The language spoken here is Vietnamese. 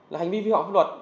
là hành vi vi họa pháp luật